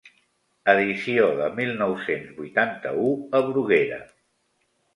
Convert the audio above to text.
Edició de mil nou-cents vuitanta-u a Bruguera.